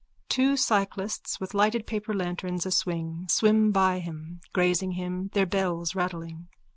(_Two cyclists, with lighted paper lanterns aswing, swim by him, grazing him, their bells rattling.